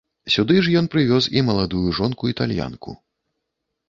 Сюды ж ён прывёз і маладую жонку-італьянку.